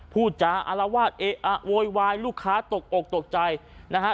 พูดจาอารวาสเอะอะโวยวายลูกค้าตกอกตกใจนะฮะ